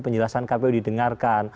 penjelasan kpu didengarkan